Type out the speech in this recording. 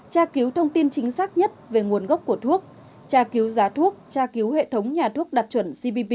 tra cứu thông tin chính xác nhất về nguồn gốc của thuốc tra cứu giá thuốc tra cứu hệ thống nhà thuốc đạt chuẩn cbp